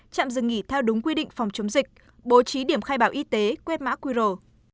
chạm dừng nghỉ theo đúng quy định phòng chống dịch bố trí điểm khai báo y tế quét mã quy rồ